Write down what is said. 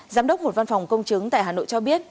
giám đốc một văn phòng công chứng tại hà nội cho biết